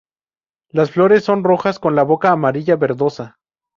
Las flores son rojas con la boca amarillo-verdosa.